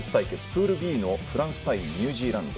プールＡのフランス対ニュージーランド。